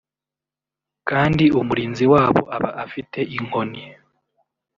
kandi umurinzi wabo we aba afite inkoni